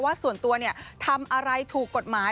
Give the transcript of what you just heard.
ส่วนตัวทำอะไรถูกกฎหมาย